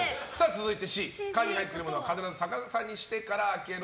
続いてＣ、缶に入っているものは必ず逆さにしてから開ける。